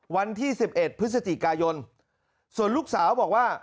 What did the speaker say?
วันที่๑๑พฤศจิกายนส่วนลูกสาวบอกว่า